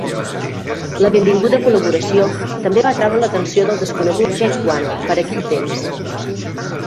La benvinguda col·laboració també va atraure l"atenció del desconegut Jake One per aquell temps.